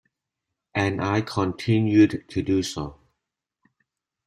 And I continued to do so.